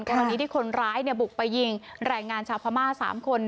ขณะนี้ที่คนร้ายบุกประยิ่งแหล่งงานชาวพม่า๓คน